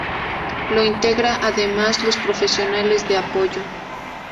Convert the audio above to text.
Lo integra además, los profesionales de apoyo.